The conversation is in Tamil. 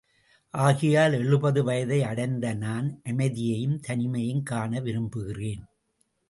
ஆகையால் எழுபது வயதை அடைந்த நான் அமைதியையும் தனிமையையும் காண விரும்புகிறேன்.